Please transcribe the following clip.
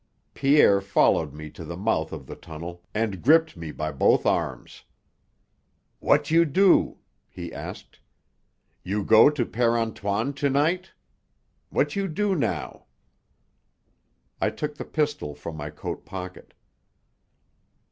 Pierre followed me to the mouth of the tunnel and gripped me by both arms. "What you do?" he asked. "You go to Père Antoine to night? What you do now?" I took the pistol from my coat pocket.